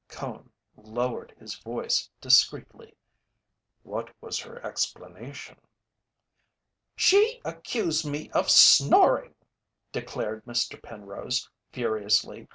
Cone lowered his voice discreetly: "What was her explanation?" "She accused me of snoring!" declared Mr. Penrose, furiously.